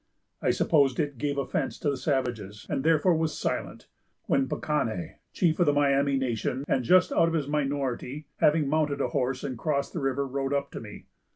I supposed it gave offence to the savages; and therefore was silent; when Pacanne, chief of the Miami nation, and just out of his minority, having mounted a horse and crossed the river, rode up to me.